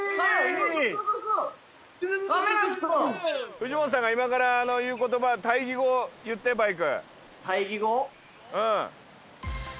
藤本さんが今から言うことば、対義語、言って、バイク。